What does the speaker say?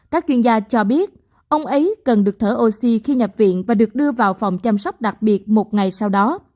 các chuyên gia cho biết ông ấy cần được thở oxy khi nhập viện và được đưa vào phòng chăm sóc đặc biệt một ngày sau đó